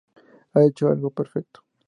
He hecho algo perfecto.